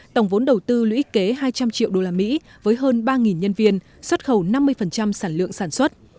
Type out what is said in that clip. tổng vốn đầu tư lũy kế hai trăm linh triệu usd với hơn ba nhân viên xuất khẩu năm mươi sản lượng sản xuất